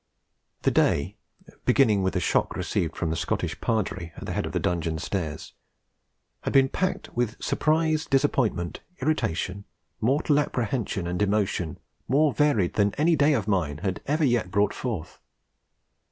The day, beginning with the shock received from the Scottish Padre at the head of the dungeon stairs, had been packed with surprise, disappointment, irritation, mortal apprehension and emotion more varied than any day of mine had ever yet brought forth.